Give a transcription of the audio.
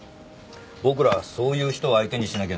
僕らはそういう人を相手にしなきゃならない。